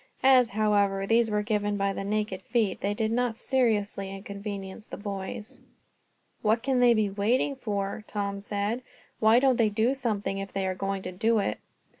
As, however, these were given by the naked feet, they did not seriously inconvenience the boys. "What can they be waiting for?" Tom said. "Why don't they do something if they are going to do it."